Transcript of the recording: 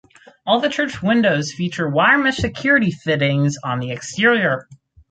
All the church windows feature wire mesh security fittings on the exterior.